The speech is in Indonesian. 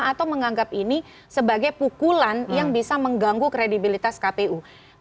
atau menganggap ini sebagai pukulan yang bisa mengganggu kredibilitas kpu